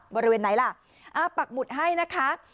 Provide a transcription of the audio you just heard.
บริเวณไหนล่ะปักหมุดให้นะคะ